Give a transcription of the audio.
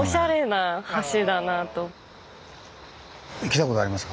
来たことありますか？